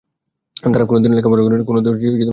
তারা কোনো দিন লেখাপড়া করেনি, কোনো দিন জ্ঞান দিতে পারবে না।